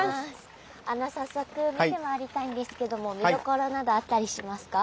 早速見て回りたいんですけども見どころなどあったりしますか？